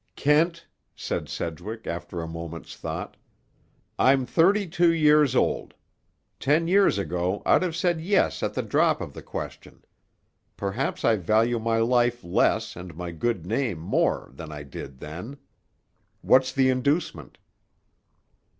"Kent," said Sedgwick after a moment's thought, "I'm thirty two years old. Ten years ago I'd have said 'yes' at the drop of the question. Perhaps I value my life less and my good name more, than I did then. What's the inducement?"